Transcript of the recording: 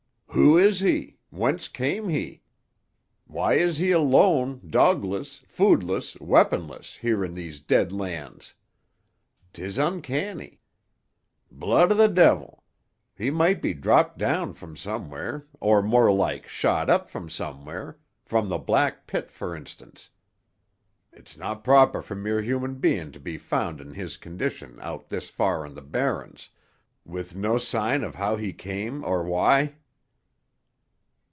"Who is he? Whence came he? Why is he alone, dogless, foodless, weaponless, here in these Dead Lands! 'Tis uncanny. Blood o' the de'il! He might be dropped down from somewhere, or more like shot up from somewhere—from the black pit, for instance. It's no' proper for mere human being to be found in his condition out this far on the barrens, with no sign of how he came or why?"